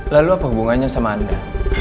lalu apa hubungannya sama anda